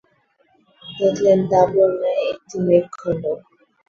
দেখলেন, তাঁবুর ন্যায় একটি মেঘখণ্ড।